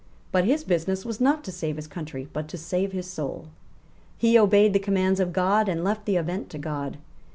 But his business was not to save his country, but to save his soul. He obeyed the commands of God, and left the event to God.